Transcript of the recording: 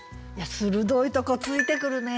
鋭いとこ突いてくるね。